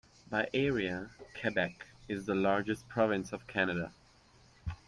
By area, Quebec is the largest province of Canada.